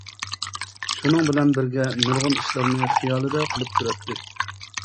شۇنىڭ بىلەن بىرگە نۇرغۇن ئىشلارنى خىيالىدا قىلىپ كۆرەتتى.